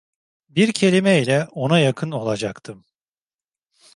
Bir kelime ile, ona yakın olacaktım.